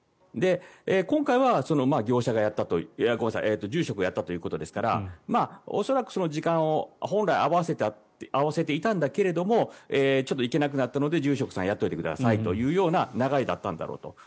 今回は住職がやったということですから恐らく時間を本来合わせていたんだけどもちょっと行けなくなったので住職さんやっておいてくださいという流れだったんだろうと。